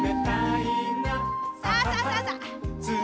さあさあさあさあ。